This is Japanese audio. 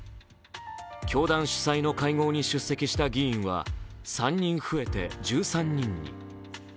教団主催の会合に出席した議員は３人増えて１３人に。